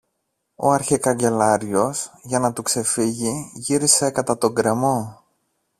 ο αρχικαγκελάριος, για να του ξεφύγει, γύρισε κατά τον γκρεμό